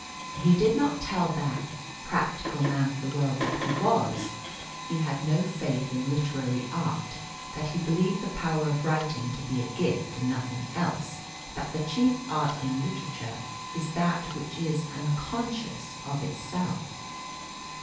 He did not tell that practical man of the world that he was he had no faith in literary art; that he believed the power of writing to be a gift and nothing else; that the chief art in literature is that which is unconscious of itself.